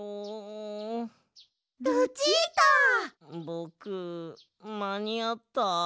ぼくまにあった？